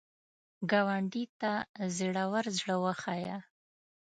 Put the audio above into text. ګاونډي ته زړور زړه وښیه